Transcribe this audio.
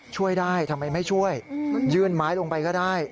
ช่วยได้ทำไมไม่ช่วยยื่นไม้ลงไปก็ได้